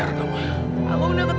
rupanya sekali dumpung kok